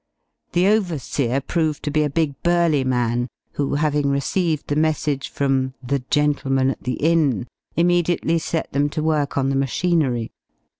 The overseer proved to be a big, burly man, who, having received the message from "the gentleman at the inn," immediately set them to work on the machinery.